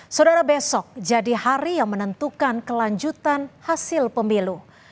saudara besok jadi hari yang menentukan kelanjutan hasil pemilu